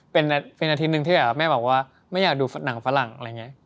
เป็นอาทิตย์หนึ่งที่แบบแม่บอกว่าไม่อยากดูหนังฝรั่งอะไรอย่างนี้